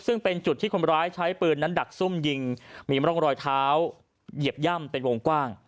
ซึ่งเป็นจุดที่คนร้ายใช้ปืนนั้นดักซุ่มยิงมีร่องรอยเท้าเหยียบย่ำเป็นวงกว้าง